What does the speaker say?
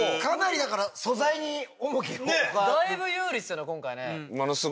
だいぶ有利っすよね今回ね。